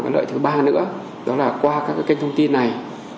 lợi thứ ba qua các kênh thông tin này